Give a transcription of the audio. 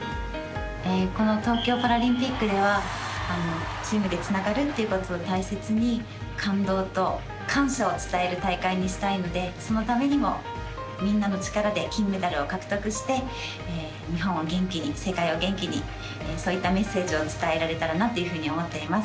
この東京パラリンピックではチームでつながるということを大切に感動と感謝を伝える大会にしたいのでそのためにも、みんなの力で金メダルを獲得して日本を元気に、世界を元気にそういったメッセージを伝えられたらなというふうに思っています。